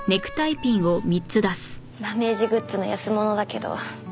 ダメージグッズの安物だけど。